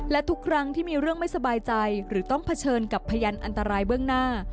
และทุกครั้งที่มีเรื่องไม่สบายใจหรือต้องเผชิญกับพยานอันตรายเบื้องหน้า